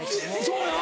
そうや。